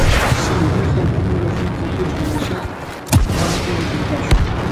Si, Vigo acumula cinco días de baixada no número de contaxios.